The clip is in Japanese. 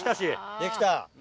できた。